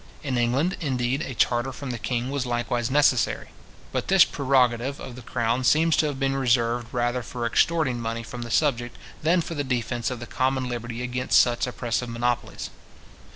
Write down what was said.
In England, indeed, a charter from the king was likewise necessary. But this prerogative of the crown seems to have been reserved rather for extorting money from the subject, than for the defence of the common liberty against such oppressive monopolies.